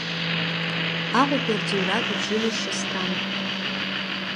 Аҟәатәи арҵаҩратә училишьче сҭан.